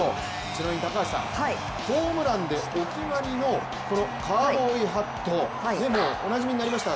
ちなみに高橋さん、ホームランでお決まりのこのカウボーイハット、おなじみになりました。